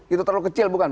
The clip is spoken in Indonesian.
itu terlalu kecil bukan